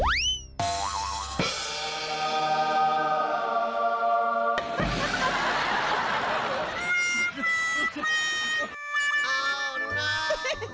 เอ้าน้ำ